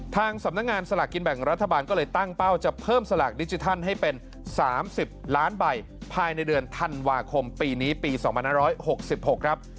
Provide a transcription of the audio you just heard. ทางสำนักงานสลากกินแบ่งรัฐบาลก็เลยตั้งเป้าจะเพิ่มสลากดิจิทัลให้เป็น๓๐ล้านใบภายในเดือนธันวาคมปีนี้ปี๒๕๖๖ครับ